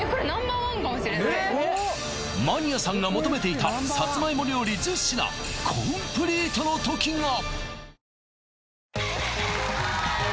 マニアさんが求めていたさつまいも料理１０品コンプリートの時が！